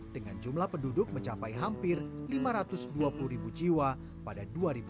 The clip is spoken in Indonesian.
dengan jumlah penduduk mencapai hampir lima ratus dua puluh ribu jiwa pada dua ribu dua puluh